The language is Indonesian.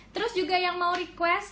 terus juga yang mau request